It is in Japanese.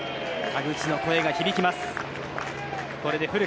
田口の声が響きます。